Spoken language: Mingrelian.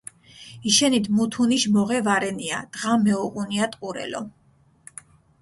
იშენით მუთუნიშ მოღე ვარენია, დღა მეუღუნია ტყურელო.